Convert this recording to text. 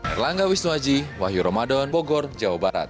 erlangga wisnuaji wahyu ramadan bogor jawa barat